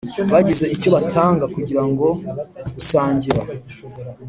bagize icyo batanga kugira ngo gusangira